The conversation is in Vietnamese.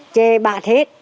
chê bạc hết